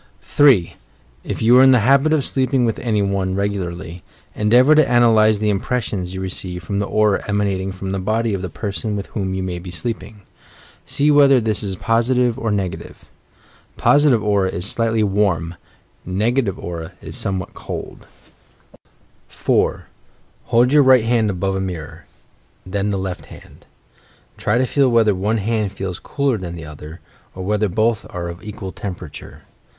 3. If you are in the habit of sleeping with any one regularly, endeavour to analyse the impressions you receive from the aura emanating from the body of the person with whom you may be sleeping. See whether this is positive or negative. Positive aura is slightly warm, negative aura is somewhat cold. MORE TESTS FOR SENSITIVENESS 4. Hold your right hand above a mirror ; then the left hand. Try to feel whether one hand feels cooler than the other; or whether both are of equal temperature.